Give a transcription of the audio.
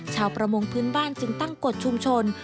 ชาวประมงพื้นบ้านจึงตั้งกฎชุมชน